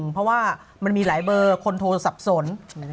เพราะว่ามันมีหลายเบอร์คนโทรศัพท์สน